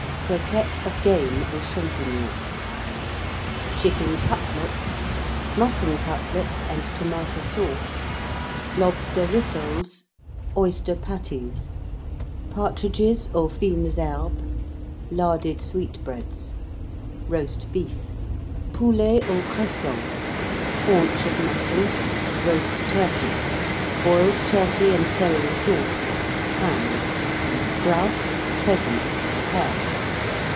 Croquettes of Game aux Champignons. Chicken Cutlets. Mutton Cutlets and Tomata Sauce. Lobster Rissoles. Oyster Patties. Partridges aux fines herbes. Larded Sweetbreads. Roast Beef. Poulets aux Cressons. Haunch of Mutton. Roast Turkey. Boiled Turkey and Celery Sauce. Ham. Grouse. Pheasants. Hare.